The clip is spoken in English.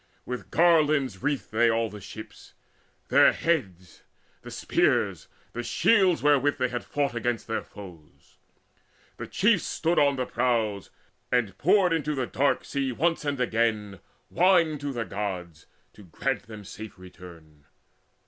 With garlands wreathed they all the ships, Their heads, the spears, the shields wherewith they had fought Against their foes. The chiefs stood on the prows, And poured into the dark sea once and again Wine to the Gods, to grant them safe return.